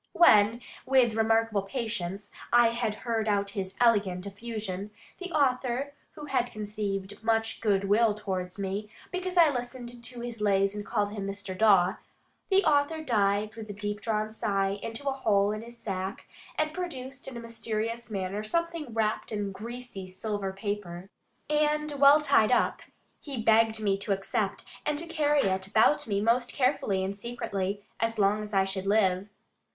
When, with remarkable patience, I had heard out his elegant effusion, the author, who had conceived much good will towards me, because I listened to his lays and called him Mr. Dawe, the author dived with a deep drawn sigh into a hole in his sack, and produced in a mysterious manner something wrapped in greasy silver paper, and well tied up. He begged me to accept, and carry it about me most carefully and secretly, as long as I should live.